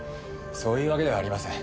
そういうわけではありません。